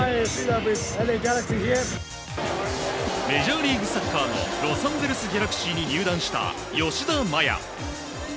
メジャーリーグサッカーのロサンゼルス・ギャラクシーに入団した吉田麻也。